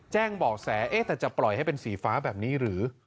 แจ้งเบาะแสแต่จะปล่อยให้เป็นสีฟ้าแบบนี้หรือ